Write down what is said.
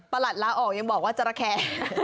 ประหลัดลาออกยังบอกว่าเจ้าระแข